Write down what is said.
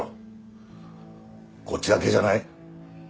こっちだけじゃない。